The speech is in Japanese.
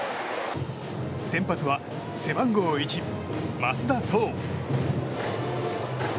先発は背番号１、増田壮。